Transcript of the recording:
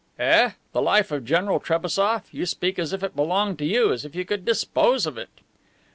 "Eh? The life of General Trebassof! You speak as if it belonged to you, as if you could dispose of it."